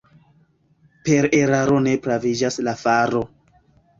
Per eraro ne praviĝas la faro.